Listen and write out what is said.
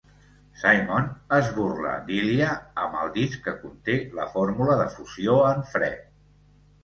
Simon es burla d'Ilya amb el disc que conté la fórmula de fusió en fred.